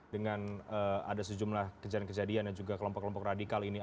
dengan ada sejumlah kejadian kejadian dan juga kelompok kelompok radikal ini